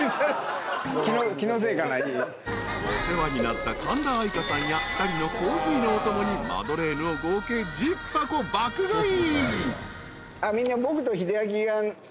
［お世話になった神田愛花さんや２人のコーヒーのお供にマドレーヌを合計１０箱爆買い］